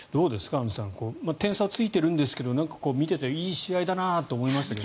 アンジュさん点差はついているんですが見ていていい試合だなと思いましたけど。